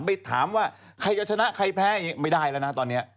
ไปถามว่าใครจะชนะใครแพ้อย่างนี้ไม่ได้แล้วนะตอนนี้